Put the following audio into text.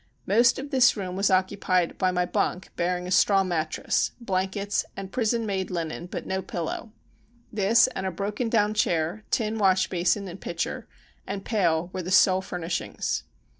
Most of this room was occupied by my bunk bearing a straw mattress, blankeets and prison made linen, but no pillow. This and a broken down chair, tin wash basin and pitcher and pail were the sole furnishings.